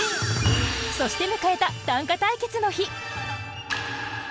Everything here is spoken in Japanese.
そして迎えた短歌対決の日。